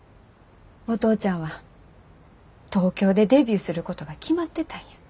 お父ちゃんは東京でデビューすることが決まってたんや。